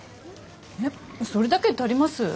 えっそれだけで足ります？